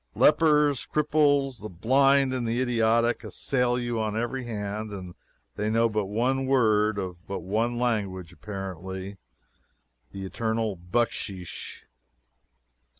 Lepers, cripples, the blind, and the idiotic, assail you on every hand, and they know but one word of but one language apparently the eternal "bucksheesh."